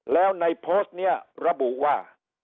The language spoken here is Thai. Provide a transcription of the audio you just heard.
แล้วในโพสต์นี้ระบุว่า